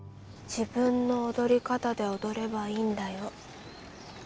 自分の踊り方で踊ればいいんだよ。